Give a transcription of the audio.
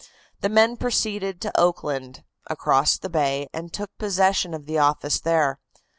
The men proceeded to Oakland, across the bay, and took possession of the office there.